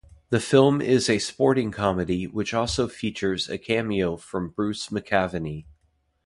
The film is a sporting comedy which also features a cameo from Bruce McAvaney.